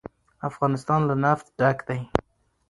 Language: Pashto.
افغانستان له نفت ډک دی.